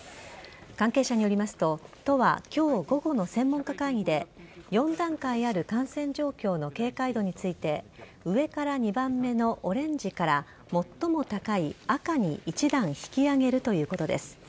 関係者によりますと都は今日午後の専門家会議で４段階ある感染状況の警戒度について上から２番目のオレンジから最も高い赤に一段引き上げるということです。